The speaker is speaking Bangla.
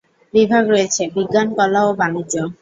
বিভাগ রয়েছে: বিজ্ঞান, কলা ও বাণিজ্য।